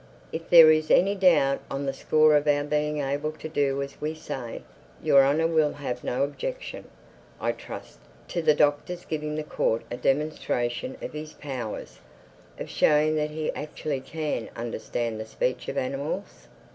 "If there is any doubt on the score of our being able to do as we say, Your Honor will have no objection, I trust, to the Doctor's giving the Court a demonstration of his powers—of showing that he actually can understand the speech of animals?"